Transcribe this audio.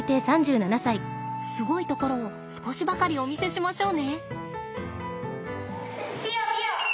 すごいところを少しばかりお見せしましょうね。